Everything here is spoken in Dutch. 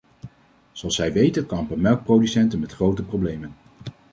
Zoals zij weet kampen melkproducenten met grote problemen.